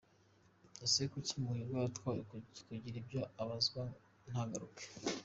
Ese kuki Muhirwa yatwawe kugira ibyo abazwa ntagaruke?